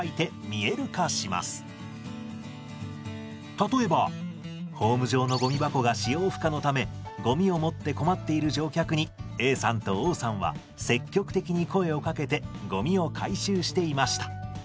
例えば「ホーム上のゴミ箱が使用不可のためゴミを持って困っている乗客にＡさんとＯさんは積極的に声をかけてゴミを回収していました」。